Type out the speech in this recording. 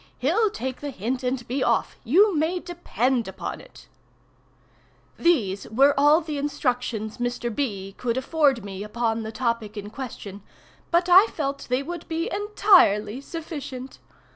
He'll take the hint and be off, you may depend upon it." These were all the instructions Mr. B. could afford me upon the topic in question, but I felt they would be entirely sufficient.